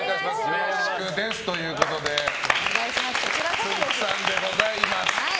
よろしくですということでつんく♂さんでございます。